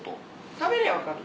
食べりゃわかる。